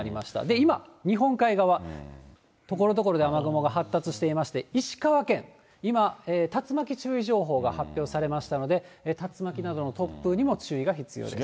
今、日本海側、ところどころで雨雲が発達していまして、石川県、今、竜巻注意情報が発表されましたので、竜巻などの突風にも注意が必要です。